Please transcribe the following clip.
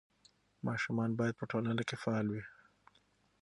ماشومان باید په ټولنه کې فعال وي.